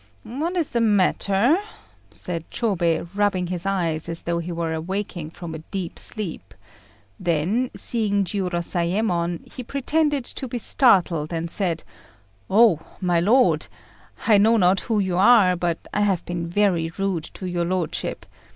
"What is the matter?" said Chôbei, rubbing his eyes as though he were awaking from a deep sleep; then seeing Jiurozayémon, he pretended to be startled, and said, "Oh, my lord, I know not who you are; but I have been very rude to your lordship.